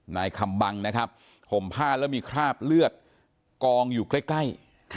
นายคำบังนะครับห่มผ้าแล้วมีคราบเลือดกองอยู่ใกล้